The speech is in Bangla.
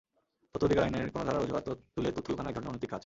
তথ্য অধিকার আইনের কোনো ধারার অজুহাত তুলে তথ্য লুকানো একধরনের অনৈতিক কাজ।